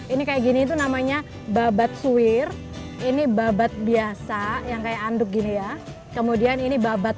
ini kayak gini itu namanya babat suwir ini babat biasa yang kayak anduk gini ya kemudian ini babat